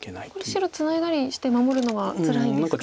これ白ツナいだりして守るのはつらいですか？